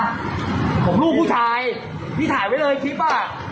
ผมลูกผู้ชายพี่ถ่ายไว้เลยคลิปอ่ะ